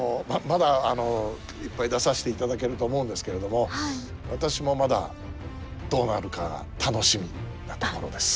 まだいっぱい出させていただけると思うんですけれども私もまだどうなるか楽しみなところです。